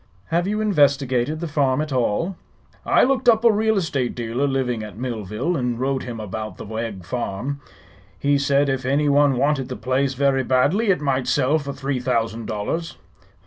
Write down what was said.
"Have you investigated the farm at all?" "I looked up a real estate dealer living at Millville, and wrote him about the Wegg farm. He said if any one wanted the place very badly it might sell for three thousand dollars."